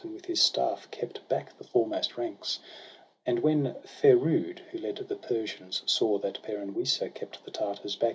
And with his staff kept back the foremost ranks. And when Ferood, who led the Persians, saw That Peran Wisa kept the Tartars back.